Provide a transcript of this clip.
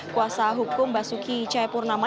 kuasa hukum basuki cahaya purnama